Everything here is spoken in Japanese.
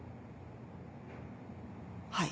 はい。